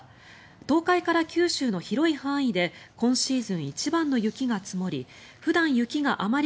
東海から九州の広い範囲で今シーズン一番の雪が積もり